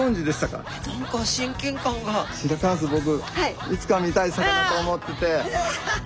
僕いつか見たい魚と思ってて。